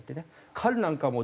彼なんかはもう。